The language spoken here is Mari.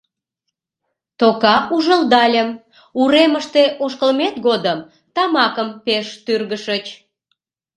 Тока ужылдальым: уремыште ошкылмет годым тамакым пеш тӱргышыч.